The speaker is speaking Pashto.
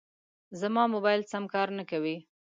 زما موبایل سم کار نه کوي.